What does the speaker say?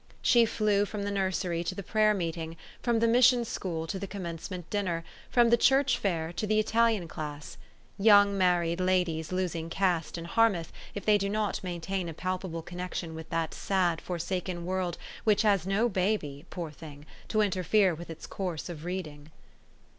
She flew from the nursery to the prayer meeting, from the mission school to the Commencement dinner, from the 286 TEtE STORY OF AVIS. church fair to the Italian class ; young married ladies losing caste in Harmouth, if they do not main tain a palpable connection with that sad, forsaken world which has no baby, poor thing ! to interfere with its course of reading.